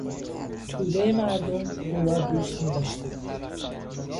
تودهی مردم او را دوست میداشتند.